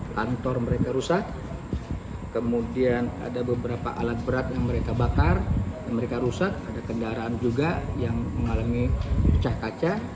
kantor mereka rusak kemudian ada beberapa alat berat yang mereka bakar dan mereka rusak ada kendaraan juga yang mengalami pecah kaca